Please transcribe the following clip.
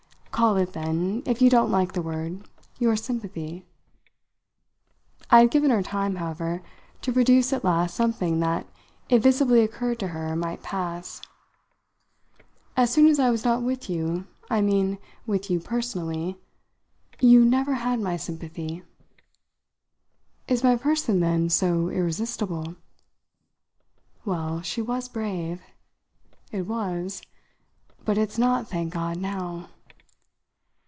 "Call it then, if you don't like the word, your sympathy." I had given her time, however, to produce at last something that, it visibly occurred to her, might pass. "As soon as I was not with you I mean with you personally you never had my sympathy." "Is my person then so irresistible?" Well, she was brave. "It was. But it's not, thank God, now!"